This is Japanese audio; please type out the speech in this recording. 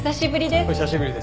お久しぶりです。